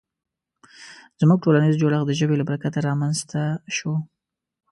زموږ ټولنیز جوړښت د ژبې له برکته رامنځ ته شو.